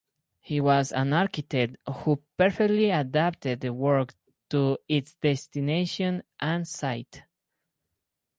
He was an architect who perfectly adapted the work to its destination and site.